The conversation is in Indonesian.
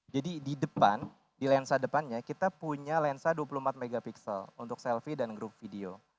jadi di depan di lensa depannya kita punya lensa dua puluh empat mp untuk selfie dan group video